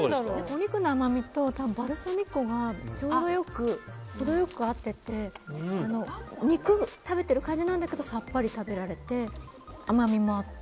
お肉の甘みと、たぶん、バルサミコがちょうどよく、程よく合ってて、肉、食べてる感じなんだけど、さっぱり食べられて甘みもあって。